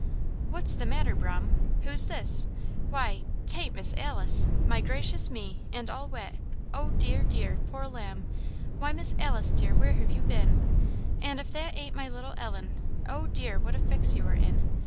"What's the matter, 'Brahm? who's this? why 'tain't Miss Alice! My gracious me! and all wet! oh, dear, dear! poor lamb! Why, Miss Alice, dear, where have you been? and if that ain't my little Ellen! oh dear! what a fix you are in!